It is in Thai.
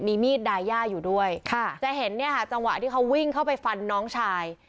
มีมีดดาย่าอยู่ด้วยค่ะจะเห็นเนี่ยค่ะจังหวะที่เขาวิ่งเข้าไปฟันน้องชาย